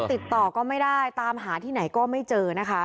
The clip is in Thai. ติดต่อก็ไม่ได้ตามหาที่ไหนก็ไม่เจอนะคะ